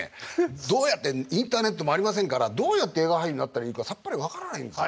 どうやってインターネットもありませんからどうやって映画俳優になったらいいかさっぱり分からないんですよ。